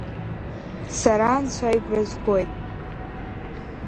Сара Анцәа игәра згоит…